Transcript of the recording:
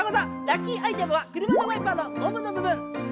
ラッキーアイテムは車のワイパーのゴムのぶぶん。